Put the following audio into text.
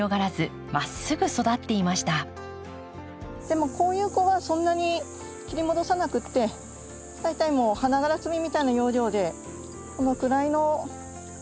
でもこういう子はそんなに切り戻さなくって大体もう花がら摘みみたいな要領でこのくらいの感じで大丈夫です。